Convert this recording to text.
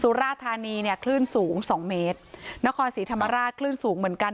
สุราธานีเนี่ยคลื่นสูงสองเมตรนครศรีธรรมราชคลื่นสูงเหมือนกัน